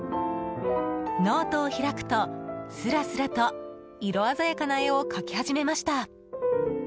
ノートを開くと、スラスラと色鮮やかな絵を描き始めました。